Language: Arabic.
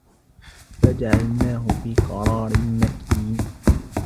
فَجَعَلْنَاهُ فِي قَرَارٍ مَكِينٍ